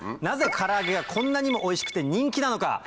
なぜから揚げがこんなにもおいしくて人気なのか。